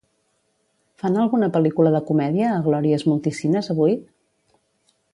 Fan alguna pel·lícula de comèdia a Glòries Multicines avui?